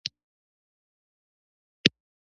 د برېښنا واحد وات دی.